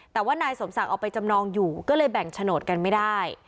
แต่ว่านายสมศักดิ์เอาไปจำนองอยู่ก็เลยแบ่งโฉนดกันไม่ได้